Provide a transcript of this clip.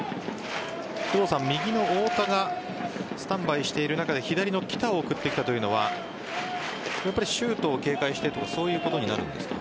右の太田がスタンバイしている中で左の来田を送ってきたというのはシュートを警戒してということになるんですか？